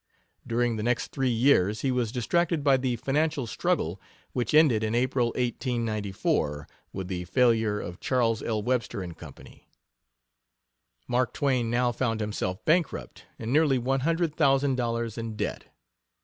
During the next three years he was distracted by the financial struggle which ended in April, 1894, with the failure of Charles L. Webster & Co. Mark Twain now found himself bankrupt, and nearly one hundred thousand dollars in debt.